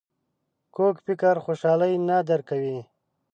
کوږ فکر خوشحالي نه درک کوي